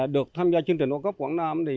được tham gia chương trình ô cốc quảng nam